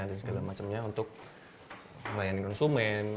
dan segala macemnya untuk melayani konsumen